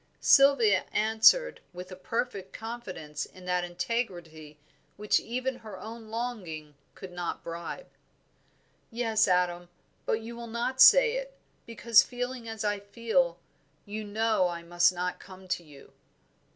Sylvia answered with a perfect confidence in that integrity which even her own longing could not bribe "Yes, Adam, but you will not say it, because feeling as I feel, you know I must not come to you."